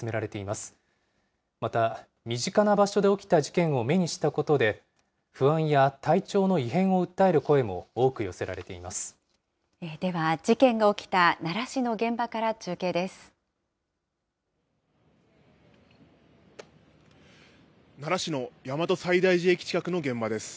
また、身近な場所で起きた事件を目にしたことで、不安や体調の異変を訴では、事件が起きた奈良市の現場から中継です。